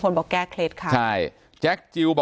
การแก้เคล็ดบางอย่างแค่นั้นเอง